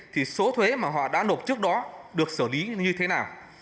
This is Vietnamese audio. thì số thuế mà họ đã nộp trước đó được xử lý như thế nào